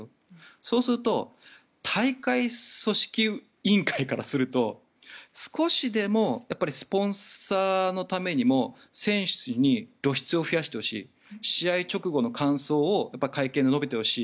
そうすると大会組織委員会からすると少しでもスポンサーのためにも選手に露出を増やしてほしい試合直後の感想を会見で述べてほしい。